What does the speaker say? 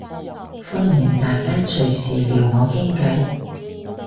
歡迎大家隨時撩我傾計